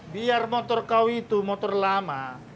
biar motor kau itu motor lama